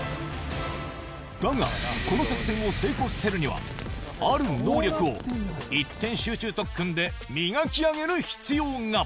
だが、この作戦を成功させるには、ある能力を一点集中特訓で磨き上げる必要が。